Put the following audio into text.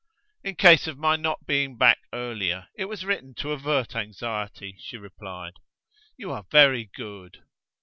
"In case of my not being back earlier; it was written to avert anxiety," she replied. "You are very good."